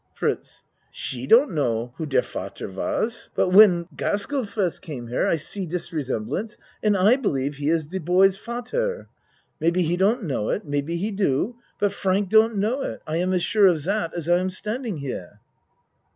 FRITZ She don't know who de fadder was. But when Gaskell first came here / see dis resemblance and / believe he is de boy's fadder. Maybe he don't know it maybe he do but Frank don't know it. I am as sure of dat as I am standing here.